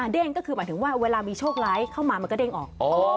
เด้งก็คือหมายถึงว่าเวลามีโชคร้ายเข้ามามันก็เด้งออก